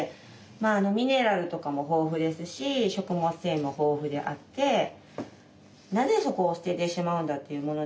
まあミネラルとかも豊富ですし食物繊維も豊富であってなぜそこを捨ててしまうんだっていうもの